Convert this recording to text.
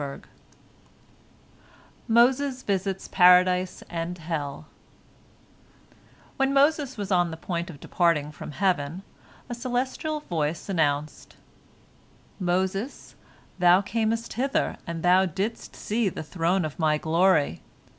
" MOSES VISITS PARADISE AND HELL When Moses was on the point of departing from heaven, a celestial voice announced: "Moses, thou camest hither, and thou didst see the throne of My glory.